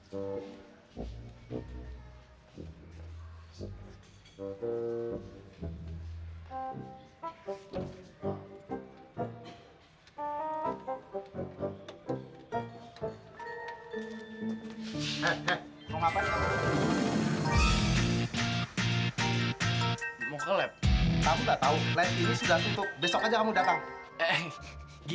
tau nggak tau lab ini sudah tutup besok aja kamu datang